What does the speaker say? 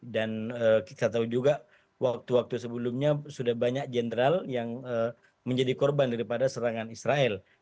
dan kita tahu juga waktu waktu sebelumnya sudah banyak jenderal yang menjadi korban daripada serangan israel